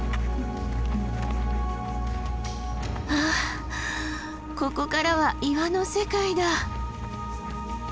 はぁここからは岩の世界だ。